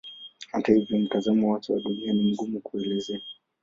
Hata hivyo mtazamo wake wa Dunia ni mgumu kuelezea.